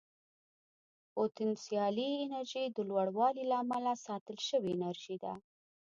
پوتنسیالي انرژي د لوړوالي له امله ساتل شوې انرژي ده.